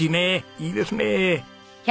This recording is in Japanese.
いいですねえ。